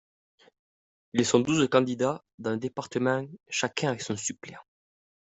Ils sont douze candidats dans le département, chacun avec son suppléant.